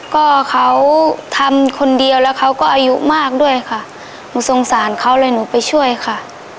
ก็เขาทำคนเดียวแล้วเขาก็อายุมากด้วยค่ะหนูสงสารเขาเลยหนูไปช่วยค่ะ